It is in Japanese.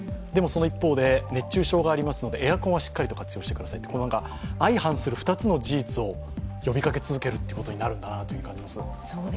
その一方で熱中症がありますので、エアコンはしっかり活用してくださいとなんか、相反する２つの事実を呼びかけ続けることになるなと思います。